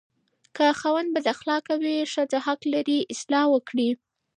که خاوند بداخلاقه وي، ښځه حق لري اصلاح وکړي.